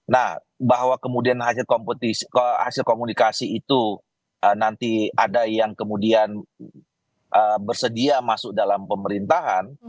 nah bahwa kemudian hasil komunikasi itu nanti ada yang kemudian bersedia masuk dalam pemerintahan